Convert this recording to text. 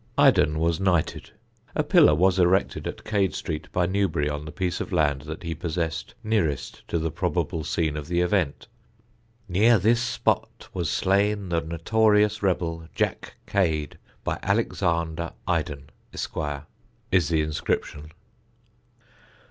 Iden was knighted. A pillar was erected at Cade Street by Newbery on the piece of land that he possessed nearest to the probable scene of the event. "Near this spot was slain the notorious rebel Jack Cade, by Alexander Iden, Esq.," is the inscription.